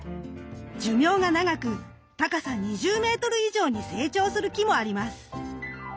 寿命が長く高さ２０メートル以上に成長する木もあります。